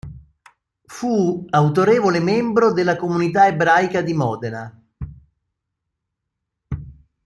Fu autorevole membro della Comunità Ebraica di Modena.